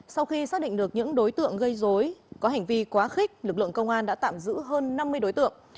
sau khi xác định được những đối tượng gây dối có hành vi quá khích lực lượng công an đã tạm giữ hơn năm mươi đối tượng